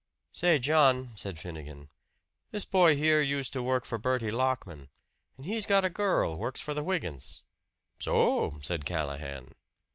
"Say, John," said Finnegan. "This boy here used to work for Bertie Lockman; and he's got a girl works for the Wygants." "So!" said Callahan.